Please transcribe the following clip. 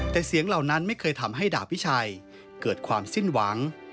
แต่เสียงเหล่านั้นไม่เคยทำให้ดาบวิชัยเกิดความสิ้นหวัง